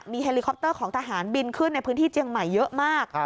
เฮลิคอปเตอร์ของทหารบินขึ้นในพื้นที่เจียงใหม่เยอะมาก